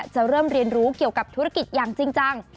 จะเริ่มเรียนรู้เกี่ยวกับธุรกิจอย่างจริงจัง